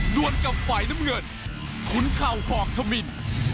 วนกับฝ่ายน้ำเงินขุนเข่าหอกธมิน